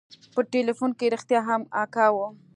په ټېلفون کښې رښتيا هم اکا و.